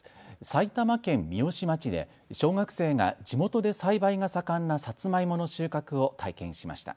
埼玉県三芳町で小学生が地元で栽培が盛んなさつまいもの収穫を体験しました。